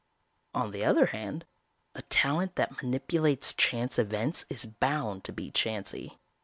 "On the other hand, a talent that manipulates chance events is bound to be chancy.